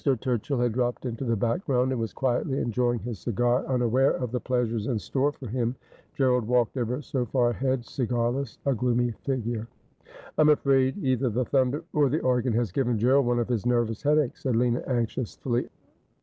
Turchill had dropped into the background, and was quietly enjoying his cigar, unaware of the pleasures in store for him. Gerald walked ever so far ahead, cigarless, a gloomy figure. ' I'm afraid either the thunder or the organ has given Gerald one of his nervous headaches,' said Lina anxiously.